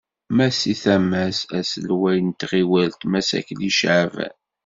Ma si tama-s, aselway n tɣiwant Mass Akli Caɛban.